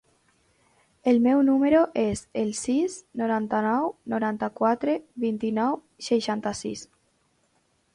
El meu número es el sis, noranta-nou, noranta-quatre, vint-i-nou, seixanta-sis.